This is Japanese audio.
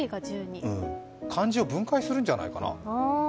漢字を分解するんじゃないかな。